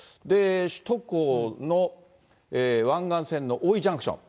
首都高の湾岸線の大井ジャンクション。